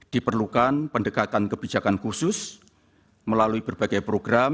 diperlukan pendekatan kebijakan khusus melalui berbagai program